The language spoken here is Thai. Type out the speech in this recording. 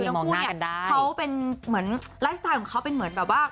ทั้งคู่เนี่ยเขาเป็นเหมือนไลฟ์สไตล์ของเขาเป็นเหมือนแบบว่า